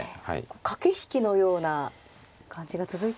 駆け引きのような感じが続いていますが。